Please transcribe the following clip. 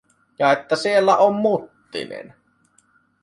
Ja että siellä on Muttinen.